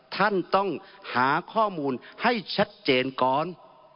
ท่านต้องหาข้อมูลให้ชัดเจนก่อน